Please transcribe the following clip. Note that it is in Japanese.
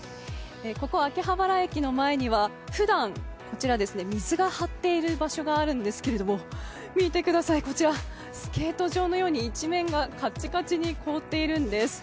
ここ秋葉原駅の前にはふだん、水が張っている場所があるんですが見てください、こちらスケート場のように一面がカッチカチに凍っているんです。